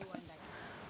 anda ingin menyerang